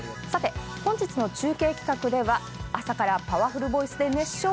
本日の中継企画では朝からパワフルボイスで熱唱。